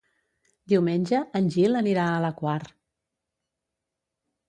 Diumenge en Gil anirà a la Quar.